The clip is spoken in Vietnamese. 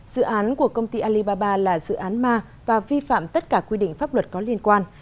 dự án của công ty alibaba là dự án ma và vi phạm tất cả quy định pháp luật có liên quan